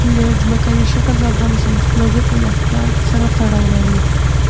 ځمکنی شکل د افغانستان د تکنالوژۍ پرمختګ سره تړاو لري.